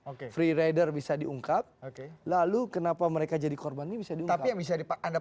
oke free rider bisa diungkap oke lalu kenapa mereka jadi korban ini bisa tapi yang bisa dipakai